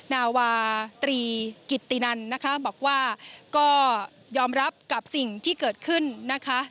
นาวาตรีกิตตินันนะคะบอกว่าก็ยอมรับกับสิ่งที่เกิดขึ้นนะคะ